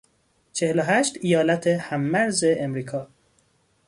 چهل و هشت ایالت هممرز امریکا